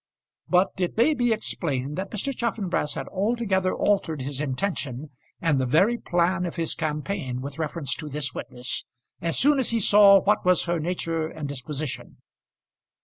But it may be explained that Mr. Chaffanbrass had altogether altered his intention and the very plan of his campaign with reference to this witness, as soon as he saw what was her nature and disposition.